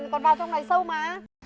còn vào trong này sâu mà